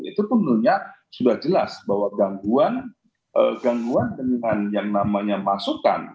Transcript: itu tentunya sudah jelas bahwa gangguan dengan yang namanya masukan